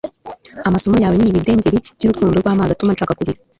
amaso yawe ni ibidengeri byurukundo rwamazi atuma nshaka kurira